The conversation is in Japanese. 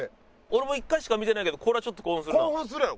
俺も１回しか見てないけどこれはちょっと興奮するな。